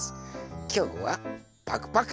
きょうはパクパクと。